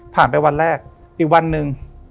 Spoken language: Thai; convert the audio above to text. ไปวันแรกอีกวันหนึ่ง